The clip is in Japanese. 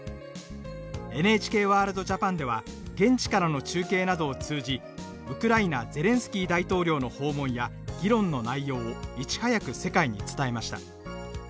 「ＮＨＫＷＯＲＬＤＪＡＰＡＮ」では現地からの中継などを通じウクライナゼレンスキー大統領の訪問や議論の内容をいち早く世界に伝えました。